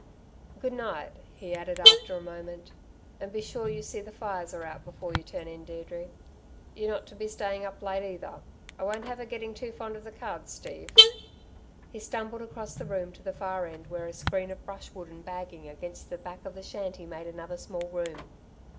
"Good night," he added after a moment. "And be sure you see the fires are out before you turn in, Deirdre. You're not to be staying up late, either! I won't have her getting too fond of the cards, Steve." He stumbled across the room to the far end where a screen of brushwood and bagging against the back of the shanty made another small room.